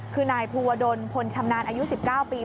คือนายภูวดลพลชำนาญอายุ๑๙ปี